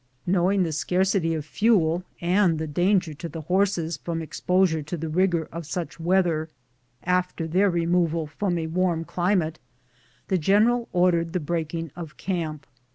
Knowing the scarcity of fuel and the danger to the horses from exposure to the rigor of such weather after their removal from a warm climate, the general ordered the breaking of camp.